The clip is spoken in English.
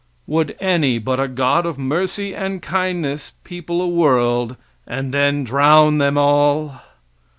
Would any but a God of mercy and kindness people a world, and then drown them all?